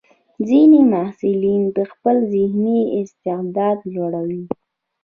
ځینې محصلین د خپل ذهني استعداد لوړوي.